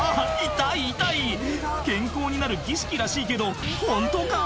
痛い痛い健康になる儀式らしいけどホントか？